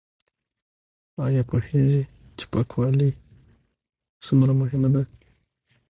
ایا پوهیږئ چې پاکوالی څومره مهم دی؟